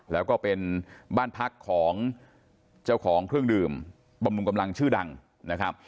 แล้วก็เป็นบ้านพักของเจ้าของเครื่องดื่มบำรุงกำลังชื่อดังนะครับ